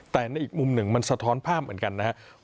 แต่ในอีกมุมหนึ่งมันสะท้อนภาพเหมือนกันนะครับ